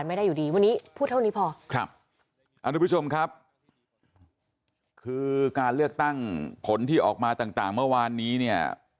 คุณผู้ชมครับคือการเลือกตั้งผลที่ออกมาต่างเมื่อวานนี้เนี่ย